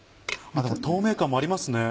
透明感もありますね。